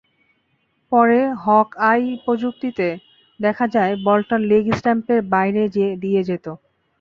পরে হক-আই প্রযুক্তিতে দেখা যায় বলটা লেগ স্টাম্পের বাইরে দিয়ে যেত।